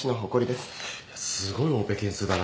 すごいオペ件数だな。